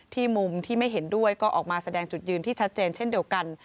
มุมที่ไม่เห็นด้วยก็ออกมาแสดงจุดยืนที่ชัดเจนเช่นเดียวกัน